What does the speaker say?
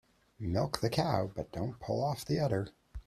Milk the cow but don't pull off the udder.